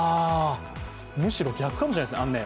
むしろ逆かもしれないですね。